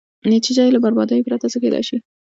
نتېجه یې له بربادیو پرته څه کېدای شي.